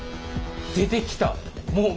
出てきた！